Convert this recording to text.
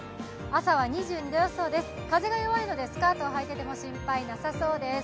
朝は２２度予想です、風が弱いのでスカートをはいてても心配なさそうです。